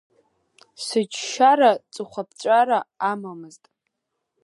Сыџьшьара ҵыхәаԥҵәара амамызт.